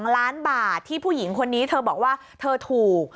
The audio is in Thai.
๒ล้านบาทที่ผู้หญิงคนนี้เธอบอกว่าเธอถูก